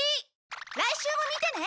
来週も見てね！